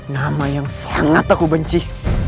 nama yang sangat aku benci